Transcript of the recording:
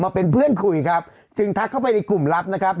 เป็นเพื่อนคุยครับจึงทักเข้าไปในกลุ่มลับนะครับ